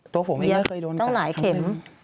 ตัวผมอีกแล้วเคยโดนกัดต้องหลายเข็ม